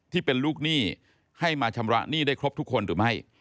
ที่เป็นลูกหนี้ให้มาชำระหนี้ได้ครบทุกคนหรือไม่